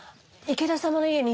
池田様の家に？